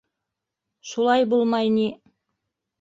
Шулай булмай ни!